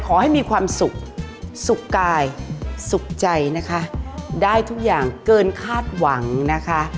ขอให้มีความสุขสุขกายสุขใจนะคะได้ทุกอย่างเกินคาดหวังนะคะ